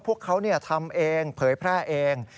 พวกเขาทำเองเผยแพร่เอง